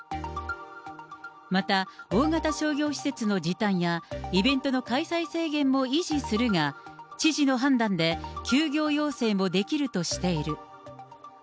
また、大型商業施設の時短や、イベントの開催制限も維持するが、知事の判断で、休業要請もできるとしている。